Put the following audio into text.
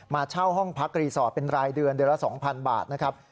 เช่าห้องพักรีสอร์ทเป็นรายเดือนเดือนละ๒๐๐บาทนะครับ